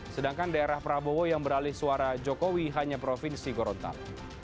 sedangkan daerah prabowo yang beralih suara jokowi hanya provinsi gorontak